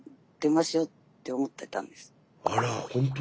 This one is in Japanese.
あら本当。